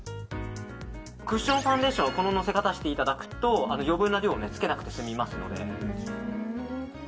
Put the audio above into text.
クッションファンデーションはこの乗せ方をしていただくと余分な量をつけなくて済みますので。